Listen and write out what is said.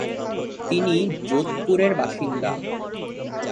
তিনি যোধপুরের বাসিন্দা।